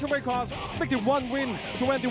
มวยไทยมวยมวย